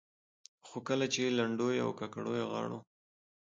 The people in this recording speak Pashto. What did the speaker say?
خو کله چې لنډيو او کاکړيو غاړو